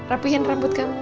rapihin rambut kamu